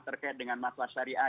terkait dengan masalah syariah